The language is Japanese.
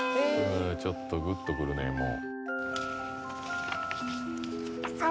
ちょっとグッとくるねもう。